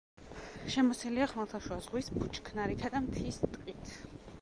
შემოსილია ხმელთაშუა ზღვის ბუჩქნარითა და მთის ტყით.